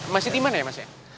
masih timan ya mas ya